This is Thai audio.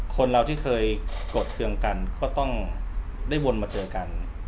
คนเราที่เคยโกรธเครื่องกันก็ต้องได้วนมาเจอกัน